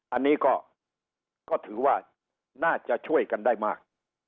อันนี้ก็ถือว่าน่าจะช่วยกันได้มาก